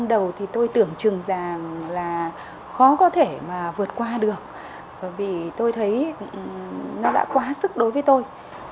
năm đầu thì tôi tưởng trường già là khó có thể mà vượt qua được vì tôi thấy nó đã quá sức đối với tôi